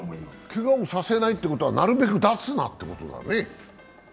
けがをさせないってことはなるべく出すなってことだよね？